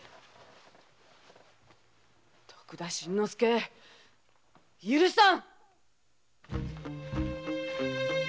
徳田新之助許さん！